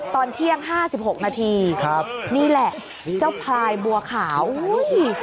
ตอนเทียง๕๖นาทีนี่แหละเจ้าพลายบัวขาวอุ๊ย